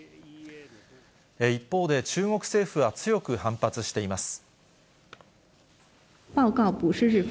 一方で中国政府は強く反発しています。